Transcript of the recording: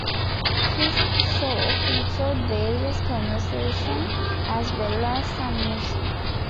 His show featured various conversation as well as some music.